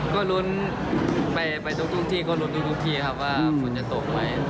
ก็ลุ้นไปทุกที่ก็ลุ้นทุกที่ครับว่าฝนจะตกไหม